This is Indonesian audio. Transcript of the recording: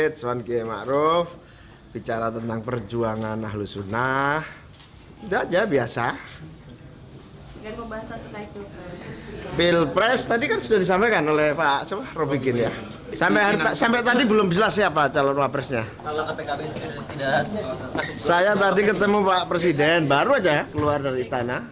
tadi ketemu pak presiden baru aja keluar dari istana